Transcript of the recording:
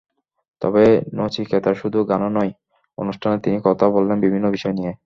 তবে নচিকেতার শুধু গানই নয়, অনুষ্ঠানে তিনি কথাও বললেন বিভিন্ন বিষয় নিয়ে।